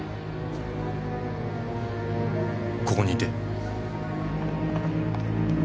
ここにいて。